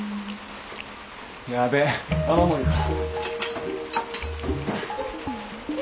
ヤベえ雨漏りか。